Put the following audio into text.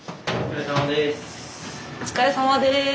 お疲れさまです。